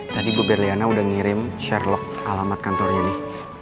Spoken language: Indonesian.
tadi bu berliana udah ngirim sharelog alamat kantornya nih